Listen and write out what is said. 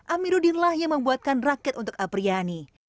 amiruddinlah yang membuatkan rakit untuk apriyani